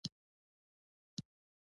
د غره له پاسه وریځې راټولېدې.